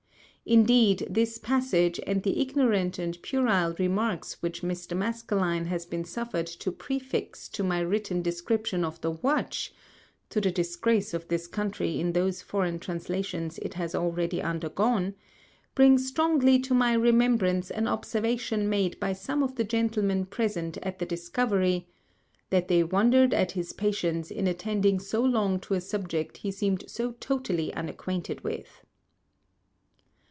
Indeed this Passage, and the ignorant and puerile Remarks which Mr. Maskelyne has been sufferŌĆÖd to prefix to my written Description of the Watch (to the Disgrace of this Country in those foreign Translations it has already undergone) bring strongly to my Remembrance an Observation made by some of the Gentlemen present at the Discovery, ŌĆ£that they wonderŌĆÖd at his Patience in attending so long to a Subject he seemŌĆÖd so totally unacquainted with.